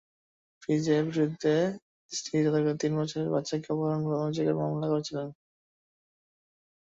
ফ্রিৎজের বিরুদ্ধে তাঁর স্ত্রী তাঁদের তিন বছরের বাচ্চাকে অপহরণের অভিযোগে মামলা করেছিলেন।